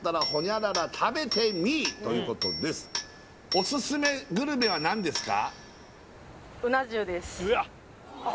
オススメグルメは何ですか？